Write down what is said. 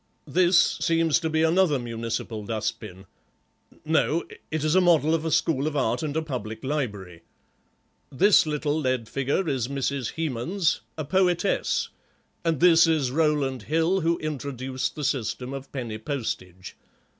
This seems to be another municipal dust bin—no, it is a model of a school of art and public library. This little lead figure is Mrs. Hemans, a poetess, and this is Rowland Hill, who introduced the system of penny postage.